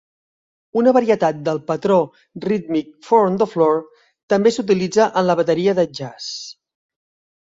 Una varietat del patró rítmic four-on-the-floor també s'utilitza en la bateria de jazz.